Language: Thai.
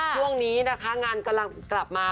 ช่วงนี้นะคะงานกำลังกลับมา